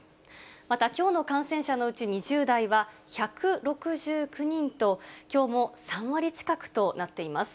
またきょうの感染者のうち２０代は１６９人と、きょうも３割近くとなっています。